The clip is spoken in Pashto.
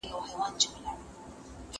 مادي ژبه د زده کوونکي ذهن ته خنډ نه راوړي.